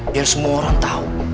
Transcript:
biar semua orang tau